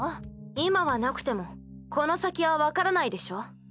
今はなくてもこの先は分からないでしょ。